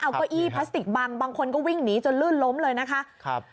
เอาเก้าอี้พลาสติกบังบางคนก็วิ่งหนีจนลื่นล้มเลยนะคะครับ